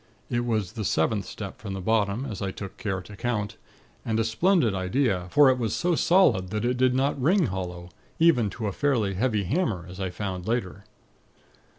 It was the seventh step from the bottom, as I took care to count: and a splendid idea; for it was so solid that it did not ring hollow, even to a fairly heavy hammer, as I found later.